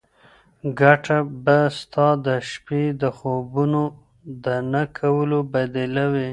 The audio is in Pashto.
ګټه به ستا د شپې د خوبونو د نه کولو بدله وي.